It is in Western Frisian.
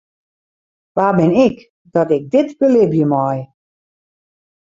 Wa bin ik dat ik dit belibje mei?